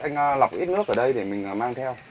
anh lọc ít nước ở đây để mình mang theo